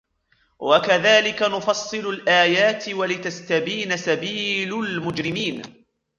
وَكَذَلِكَ نُفَصِّلُ الْآيَاتِ وَلِتَسْتَبِينَ سَبِيلُ الْمُجْرِمِينَ